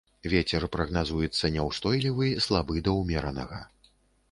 Вецер прагназуецца няўстойлівы слабы да ўмеранага.